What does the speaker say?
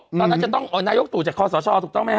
ตอนนั้นจะต้องนายกตั๋วจากข้อสาวชอบถูกต้องไหมฮะ